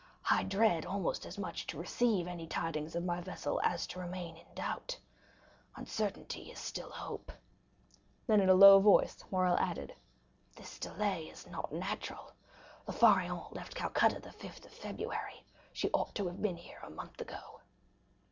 I dread almost as much to receive any tidings of my vessel as to remain in doubt. Uncertainty is still hope." Then in a low voice Morrel added,—"This delay is not natural. The Pharaon left Calcutta the 5th of February; she ought to have been here a month ago."